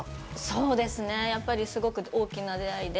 そうですね、すごく大きな出会いで。